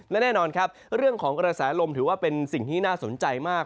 และแน่นอนครับเรื่องของกระแสลมถือว่าเป็นสิ่งที่น่าสนใจมาก